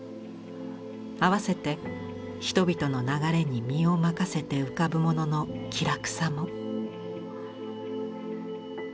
併せて人々の流れに身を任せて浮かぶ者の気楽さも」。